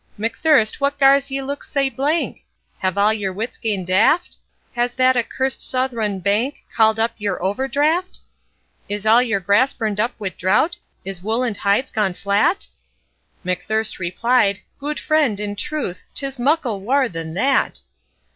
'McThirst what gars ye look sae blank? Have all yer wits gane daft? Has that accursed Southron bank Called up your overdraft? Is all your grass burnt up wi' drouth? Is wool and hides gone flat?' McThirst replied, 'Gude friend, in truth, 'Tis muckle waur than that.'